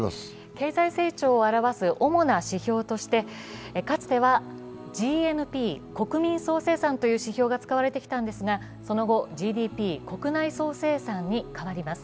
経済成長を表す主な指標として、かつてはＧＮＰ＝国民総生産という指標が使われてきたんですが、その後、ＧＤＰ＝国内総生産に変わります。